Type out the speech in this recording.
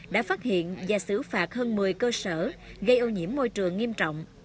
đã phát hiện và xử phạt hơn một mươi cơ sở gây ô nhiễm môi trường nghiêm trọng